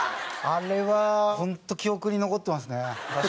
あれは本当記憶に残ってますね。